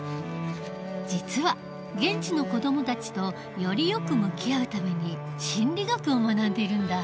実は現地の子どもたちとよりよく向き合うために心理学を学んでいるんだ。